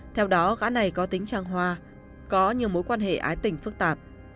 theo đó gã này có tính trang hoa có nhiều mối quan hệ ái tình phức tạp